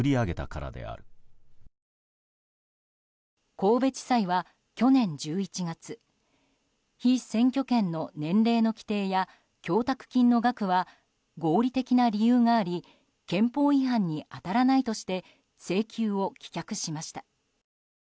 神戸地裁は去年１１月被選挙権の年齢の規定や供託金の額は合理的な理由があり憲法違反に当たらないとして請求を棄却しました。